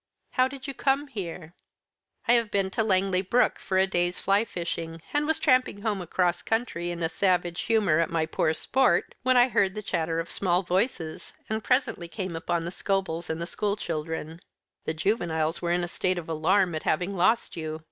"How did you come here?" "I have been to Langley Brook for a day's fly fishing, and was tramping home across country in a savage humour at my poor sport, when I heard the chatter of small voices, and presently came upon the Scobels and the school children. The juveniles were in a state of alarm at having lost you.